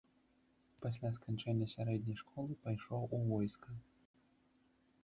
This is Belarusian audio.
Пасля сканчэння сярэдняй школы пайшоў у войска.